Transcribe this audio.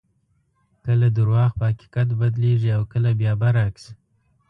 کله درواغ په حقیقت بدلېږي او کله بیا برعکس.